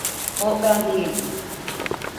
O ben değildim.